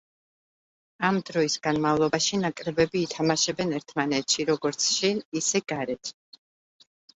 ამ დროის განმავლობაში ნაკრებები ითამაშებენ ერთმანეთში როგორც შინ, ისე გარეთ.